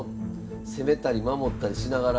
攻めたり守ったりしながら。